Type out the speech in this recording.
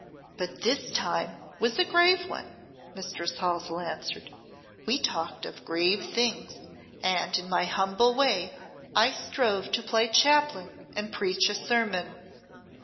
"But this time was a grave one," Mistress Halsell answered. "We talked of grave things, and in my humble way I strove to play Chaplain and preach a sermon.